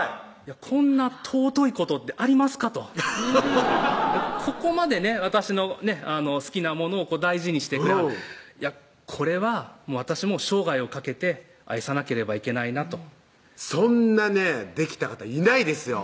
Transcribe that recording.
こんな尊いことってありますかとここまでね私の好きなものを大事にしてくれこれは私も生涯を懸けて愛さなければいけないなとそんなねできた方いないですよ